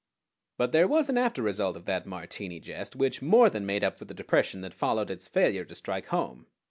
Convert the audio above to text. But there was an after result of that Martini jest which more than made up for the depression that followed its failure to strike home.